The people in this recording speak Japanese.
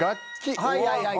はいはいはいはい。